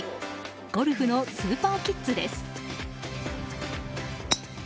ゴルフのスーパーキッズです。